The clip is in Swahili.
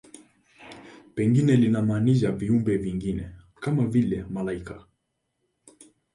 Pengine linamaanisha viumbe vingine, kama vile malaika.